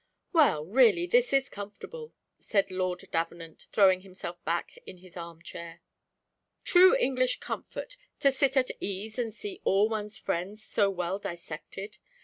"Well, really this is comfortable," said Lord Davenant, throwing himself back in his arm chair "True English comfort, to sit at ease and see all one's friends so well dissected!